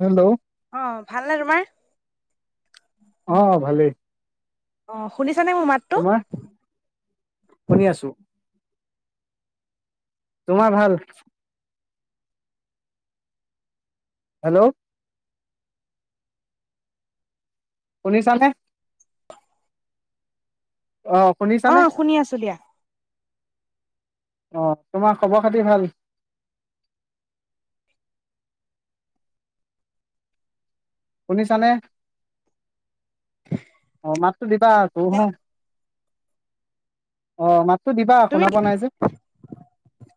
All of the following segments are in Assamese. হেল্ল'। আহ, ভালনে তোমাৰ অহ, ভালেই। অ, শুনিছ তোমাৰ। শুনি আছো। তোমাৰ ভাল? হেল্ল। শুনিচানে? অ অ শুনিছানে শুনি আছো দিয়া। আহ, তোমাৰ খবৰ খাতি ভাল। শুনিছানে? অ মাত শুধিবা গো হো অ, মাত সুধিবা তুমি শুনা পোৱা নাই যে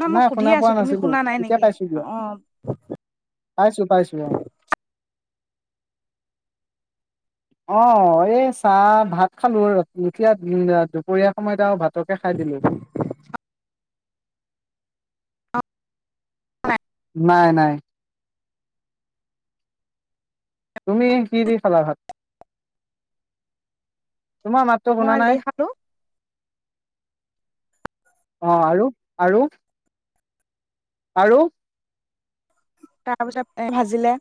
ন মই নাই শুনা সুধিয়ে পোৱা আছো তুমি নাছিলো শুনা নাই এতিয়া নেকি পাইছো দিয়া। অ পাইছো পাইছো অ আহ এই চাহ ভাত খালো এতিয়া দুপৰীয়া সময়ত আৰু ভাতকে খাই দিলো নাই, নাই, তুমি কি দি খালাভাত। তোমাৰ মাতটো মই শুনা আজি নাই খালো অহ, আৰু আৰু, আৰু তাৰ পিছত ভাজিলে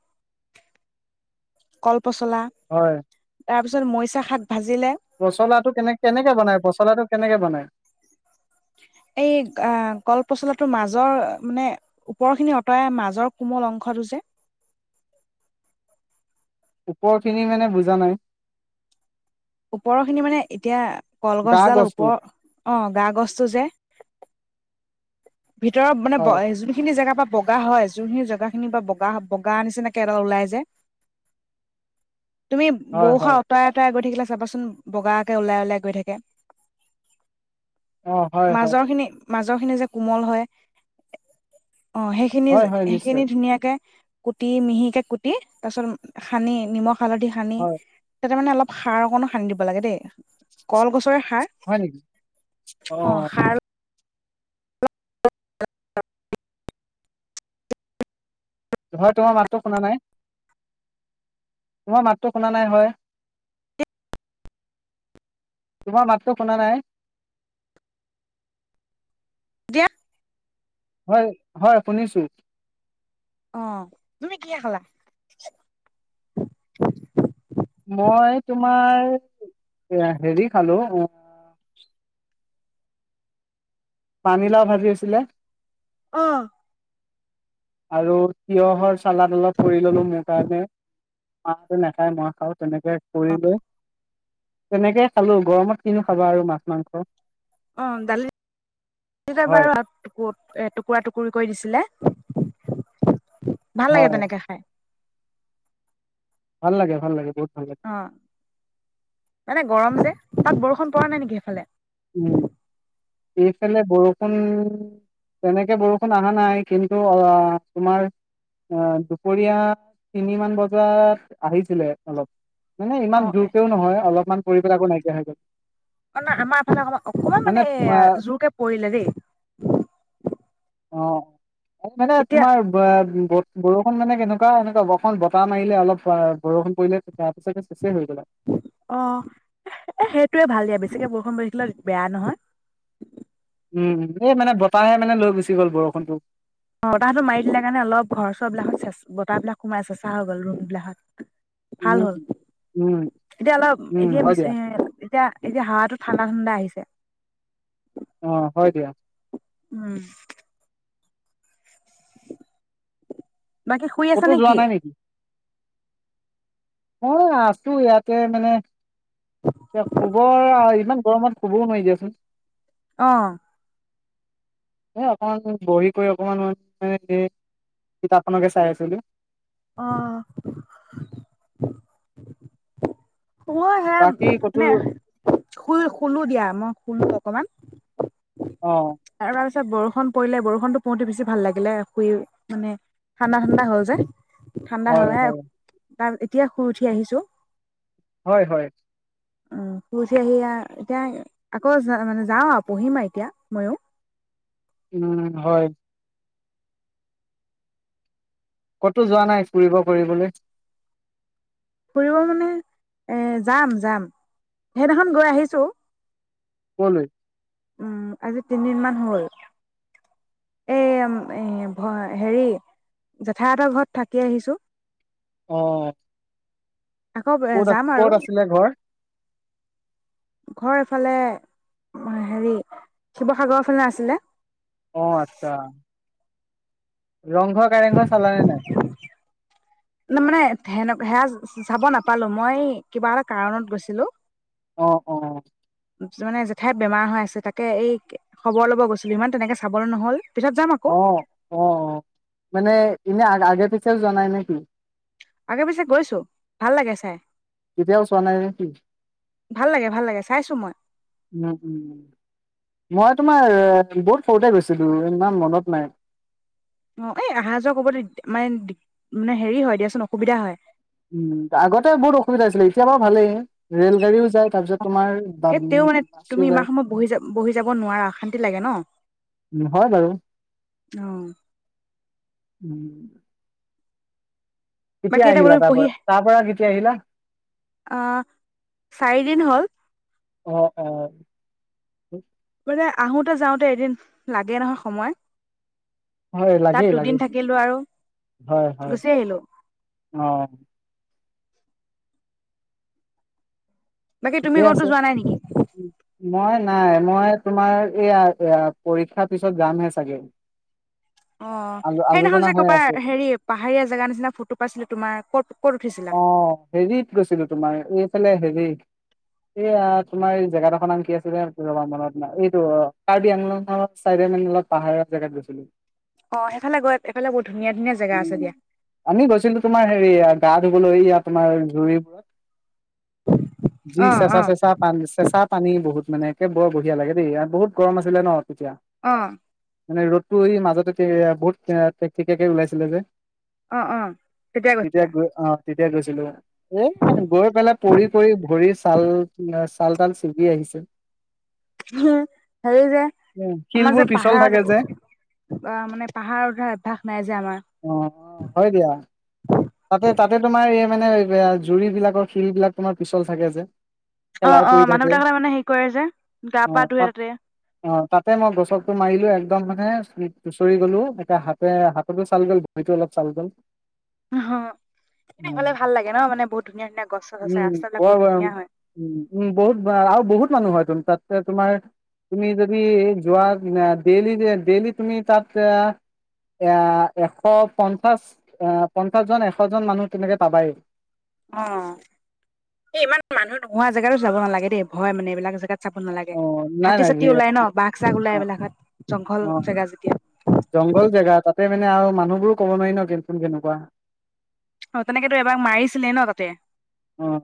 পচলা, হয় তাৰ পি মৰিচা শাক ভাজিলে পচলাটো কেনে-কেনেকে বনায় পচলাটো? কেনেকে বনায়? এই অহ কলপচলাটোৰ মাজৰ মানে ওপৰৰ খিনি অঁতৰাই মাজৰ কোমল অংশটো যে ওপৰখিনি মানে বুজা নাই। ওপৰৰখিনি মানে এতিয়া গা কলগছডাল গছটো ওপৰৰ অ, গা গছটো যে। ভিতৰত মানে হয় যোনখিনি জেগাৰ পা বগা হয়, যোনখিনি জগা খিনি বা বগা বগা নিচিনাকে এডাল ওলাই যে। তুমি হয় বৈষা হয় অতৰাই অতৰাই গৈ থাকিলা চাবাচোন বগাকে ওলাই ওলাই গৈ থাকে। অ হয় হয় মাজৰখিনি মাজ জৰখিনি যে কোমল হয়। অহ, সেইখিনি, হয় হয় সেইখিনি নিশ্চয় ধুনীয়াকে কুটি মিহিকে কুটি তাৰ পিছত সানি নিমখ হালধি সানি হয় তাতে মানে অলপ সাৰ অকণো সানি দিব লাগে দেই। কলগছৰে সাৰ হয় নেকি অ', সাৰ অ'। হয় তোমাৰ মাতটো শুনা নাই। মই মাতটো শুনা নাই হয়। তোমাৰ মাতটো শুনা নাই। এতিয়া হয়, হয় শুনিছো। অহ, তুমি কিহে খালা? মই তোমাৰ এ হেৰি খালোঁ অ'। পানীলাও ভাজি আছিলে। অহ। আৰু তিয়হৰ চালাদ অলপ কৰি ল'লো মোৰ কাৰণে মাহটো নেখায় মই খাওঁ তেনেকে কৰি লৈ তেনেকে খালো গৰমত কিনো খাবা আৰু মাছ মাংস। অ', দালি হয় বাৰু এ টুকুৰা টুকুৰি কৰি দিছিলে। ভাল লাগে হয় তেনেকে খাই। ভাল লাগে, ভাল লাগে, বহুত ভাল লাগে অ', মানে গৰম যে। তাক বৰষুণ পৰা নাই নেকি ইফালে? উম। এইফালে বৰষুণ তেনেকে বৰষুণ অহা নাই কিন্তু অহ, তোমাৰ দুপৰীয়া তিনিমান বজাত আহিছিলে অলপ। মানে ইমান অ জোৰকেও নহয় অলপমান পৰি পেলাই আকৌ নাইকিয়া হৈ গ'ল। অ ন আমাৰ এফালে অকনমান অকনমান মানে এ জোৰকে পৰিলে দেই। অ' মানে এতিয়া তোমাৰ বৰষুণ মানে কেনেকুৱা এনেকুৱা বৰষুণ বতাহ মাৰিলে অলপ বৰষুণ পৰিলে তাৰপিছতে চেচেই হৈ গ'ল আৰু অ এ সেইটোৱে ভাল দিয়া বেছ কে বৰষুণ পৰিলে থাকিলে বেয়া নহয়। উম এই মানে বতাহে মানে লৈ গুচি গ'ল বৰষুণটো অ বতাহতটো মাৰি দিলে কাৰণে অলপ ঘৰ চৰ বিলাকত চচ বতাহ বিলাক সোমাই চেচা হৈ গ'ল ৰুম বিলাকত ভাল উম হ'ল উম এতিয়া অলপ উম এতিয়া হয় বি দিয়া এ এতিয়া এতিয়া হাৱাতো ঠাণ্ডা ঠাণ্ডা আহিছে আহ হয় দিয়া উম বাকী শুই আছা ক'তো যোৱা নেকি নাই অ আছো ইয়াতে মানে এ শুবৰ ইমান গৰমত শুবও নোৱাৰি দিয়াচোন অ এ অকমান বহি কৰি অকমান মে কিতাপখনকে চাই আছিলো অ শ সে বাকী ক'তো মানে শই শুলো দিয়া মই শো অকমান অ আৰু তাৰপিছত বৰষুণ পৰিলে বৰষুণতো পোতে বেছি ভাল লাগিলে খুই মানে ঠাণ্ডা ঠাণ্ডা হ'ল যে ঠাণ্ডা হয় তাম এতিয়া শুই উঠি আহিছো হয় হয় অ পহি আহি এতিয়া আকৌ মানে যাওঁ আৰু পঢ়িম আৰু এতিয়া ময়ো উম হয় কতো যোৱা নাই ফুৰিব ফুৰিবলৈ ফুৰিব মানে এ যাম যাম সেইদিনাখন গৈ আহিছো কলৈ উম আজি তিনিদিন মান হল এ ভ হেৰি জেঠাই এটাৰ ঘৰত থাকি আহিছো অ আকৌ ক'ত আ যাম আৰু ক'ত আছিলে ঘৰ ঘৰ এফালে হেৰি শিৱসাগৰৰ ফালে আাছিলে অ আচ্ছা ৰংঘৰ কাৰেংঘ চালানে নাই ন মানে সেনে সেয়া চাব নাপালো মই কিবা এটা কাৰণত গৈছিলো অ অ মানে জেঠাই বেমাৰ হৈ আছে তাকে এই খবৰ লব গৈছিলো ইমান তেনেকে চাবলৈ নহল পিছত যাম আকৌ অ অ অ মানে এনে আগে পিছেও জনাই নেকি আগে পিছে গৈছো ভাল লাগে চাই কেতিয়াও চোৱা নাই কি ভাল লাগে ভাল লাগে চাইছো মই উম উম মই তোমাৰ বহুত সৰুতে গৈছিলো ইমান মনত নাই অ এ আহা যোৱা হবলৈ মানে মানে হেৰি হয় দিয়াচোন অসুবিধা হয়। উম আগতে বহুত অসুবিধা হৈছিলে। এতিয়া বাৰু ভালেই ৰেল গাড়ীও যায় তাৰপিছত অ তোমাৰ বা- এ তেওঁ উম, মানে বাছো তুমি ইমান যায় সময় বহি যা বহি যাব নোৱাৰা অশান্তি লাগে ন। উম, হয় বাৰু। অ উম। বাকী কেতিয়া এটা ব আহিলা তাৰ পঢ়ি পৰা আহ তাৰ পৰা কেতিয়া আহিলা? চাৰিদিন হ'ল। অ' অ'। মানে আহোতে যাওঁতে এদিন লাগে নহয় সময়। হয় লাগে তাত দুদিন লাগে থাকিলো আৰু হয় হয় গুচি আহিলো অ'। বাকী তুমি ঠিকে ক'তো আছে। যোৱা নাই নেকি? মই নাই, মই তোমাৰ এয়া পৰীক্ষাৰ পিছত যামহে চাগে। অ', আলো সেইদিনাখন আলোচনা যে হৈ আছে কৰবাৰ হেৰি পাহাৰীয়া জেগাৰ নিচিনা ফটো পাইছিলো তোমাৰ ক'ত ক'ত উঠিছিলা? তেনে হেৰি এয়া তোমাৰ এই জেগাডোখৰ নাম কি আছিলে মনত এইটো কাৰ্বি আংলৰ চাই মানে অলপ পাহাৰৰ জেগাত গৈছিলো। অ', সেইফালে গৈ এইফালে বহুত ধুনীয়া ধুনীয়া জেগা আছে উম, দিয়া। এইফালে এয়া তোমাৰ জুৰি যি অ চেঁচা অ চেঁচা পানী চেঁচা পানী বহুত। মানে একে বৰ বঢ়িয়া লাগে দেই আৰু বহুত গৰম আছিলে ন' তেতিয়া। অহ। মানে ৰ'দটো মাজতে বহুত টেক টেকীয়াকে ওলাইছিলে যে। অ', অ', তেতিয়াই তেতিয়া গৈছিলা। গৈ অ তেতিয়া গৈছিলো এ গৈ পেলাই পৰি পৰি ভৰি ছাল, ছাল তাল ছিগি আহিছিল। উম, হেৰি যে আমাৰ শিলবোৰ যে পিছল থাকে যে পাহাৰত মানে পাহাৰত উঠা অভ্যাস নাই যে অ আমাৰ। হয় দিয়া। তাতে, তাতে তোমাৰ মানে জুৰি বিলাকৰ শিল বিলাক তোমাৰ পিছল থাকে যে। অ পেলাই অ পৰি মানুহ থাকে বিলাকে মানে হেৰি কৰে যে গা পা অহ, ধুৱে তাত তাতে অহ, তাতে মই গছকটো মাৰিলো একদম মানে সুচৰি গ'লো এতিয়া হাতে হাতটো চাল গ'ল ভইটো অলপ চাল গ'ল। অ এনে উম, গলে ভাল লাগে ন মানে বহুত ধুনীয়া ধুনীয়া গছ চছ আছে ৰাস্তাবিলাক বহুত ভাল ধুনীয়া হয় উম, বহুত আৰু বহুত মানুহ হয়তো। তাতে তোমাৰ তুমি যদি যোৱা ডেইলি, ডেইলি তুমি তাত এ অ', এশ পঞ্চাছ অ', পঞ্চাশ জন এশজন মানুহ তেনেকে পাবায়। অ', এই ইমান মানুহ নোহোৱা জেগাতো যাব নালাগে দেই ভয় মানে এইবিলাক জেগাত চাব নালাগে অ নাই হাতী নাই চাতি ৰি ওলাই ন' বাঘ চাঘ ওলাই অ এইবিলাকত। জংঘল অ জেগা যেতিয়া। জংঘল জেগা তাতে মানে আৰু মানুহবোৰো ক'ব নোৱাৰি ন' কেনেকুৱা, কেনেকুৱা। অ তেনেকেতো এবাৰ মাৰিছিলে ন তাতে অ',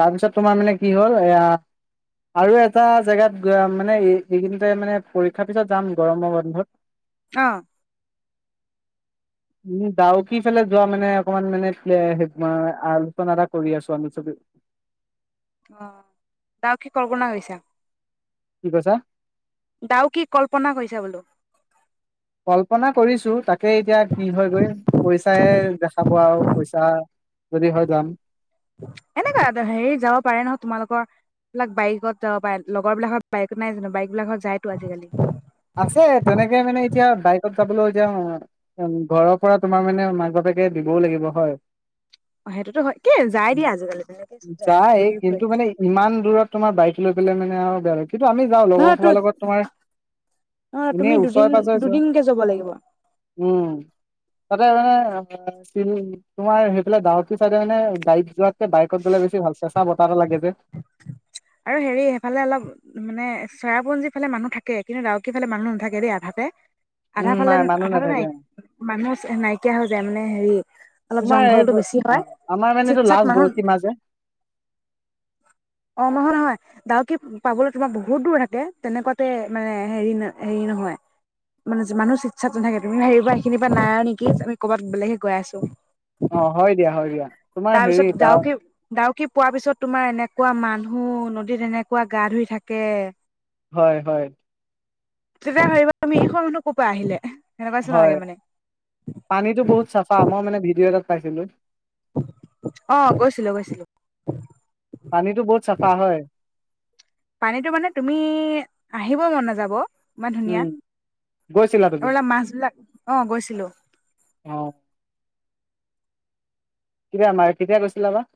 তাৰপিছত তোমাৰ মানে কি হ'ল এয়া আৰু এটা জেগাত মানে এইকিনতে মানে পৰীক্ষাৰ পিছত যাম গৰমৰ বন্ধত অঁ যাও কিফালে যোৱা মানে অকমান মানে আলোচনা এটা কৰি আছো আি চবি অ দও [unintelligible] কি কৈছা কল্পনা কৰিছা বোলো কল্পনা কৰিছো তাকে এতিয়া কি হয় গৈ পইচাই দেখা পোৱা আৰু পইচা যদি হয় যাম এনেককাুৱা হেৰি যাব পাৰে নহয় তোমালোকৰ এইিলাক বাইকত যাব পাৰে লগৰ বিলাকত বাইকত নাই জানো বাইক বিলাকত যায়তো আজিকালি আছে তেনেকে মানে এতিয়া বাইকত যাবলৈ এতিয়া ঘৰৰ পৰা তোমাৰ মানে মাক বাপেকে দিবও লাগিব হয় অ সেইটোতো হয় কি যায় দিয়া আজিকালি বনে ঘ ফুৰে তোমাৰাইক লৈ পেলাই মানে আৰু [unintelligible] সেইটো আমি যাওঁ লগৰসভাৰ লগত তোমাৰ অ এনেই তুমি দুদিন ওচৰে পাজৰে যোৱা দুদিনকে যাব লাগিব উম। তাতে মানে তোমাৰ সেইফালে গাহ চাই মানে গাড়ীত যোৱাত বাইকত গলে বেছি ভাল চেঁচা বতাহটা লাগে যে আৰু হেৰি সেইফালে অলপ মানে চৰাপঞ্জী ফালে মানুহ থাকে কিন্তু ডাউকি ফালে মানুহ নাথাকে দেই আধাতে আধা উম ফালে নাই মানুহ আধাটো নাথাকে নাই অ মানুহ নাইকিয়া হৈ যায় মানে হেৰি অলপ তোমাৰ জংঘলটো এইটো বেছি অ হয় আমাৰ মানে চিত এইটো চাত লাষ্ট মানুহ বৰশী মাছ যে অ মহয় নহয় ডাউক পাবলৈ তোমাৰ বহুত দূৰ থাকে তেনেকুৱাতে মানে হেৰি হেৰি নহয় মানে মানুহ চি্সাত নাথাকে তুমি হেৰি সেইখিনি পৰা নাই আৰু নেকি আমি কৰ'বাত বেলেগহে গৈ আছো অ হয় দিয়া হ দিয়া তোমাৰ তাৰ হেৰি পিছত দা ডাউকী ডাউকি পোৱাৰ পিছত তোমাৰ এনেকুৱা মানুহ নদীত এনেকুৱা গা ধুই থাকে হয় হয় তেতিয়া হৰিব আমি এশ মানৰ ক'ৰ পৰা আহিলে সেনেকুৱা নিচিনা লাগে হয় মানে পানীতটো বহুত চাফা মই মানে ভিডিঅ' এটা পাইছিলো আহ গৈছিলো গৈছিলো পানীতটো বহুত চাফা হয় আহিবই মন নাযাব মমান ধুনীয়া উম গৈছিলা আৰু তুমি অলপ মাছ বিলাক অ গৈছিলো অ কেতিয়া মাৰ কেতিয়া গৈছিলা বা